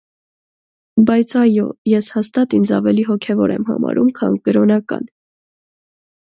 Բայց այո, ես հաստատ ինձ ավելի հոգևոր եմ համարում, քան կրոնական։